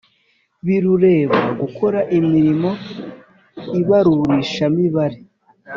Birureba gukora imirimo y ibarurishamibare